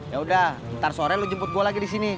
yaudah ntar sore lo jemput gua lagi disini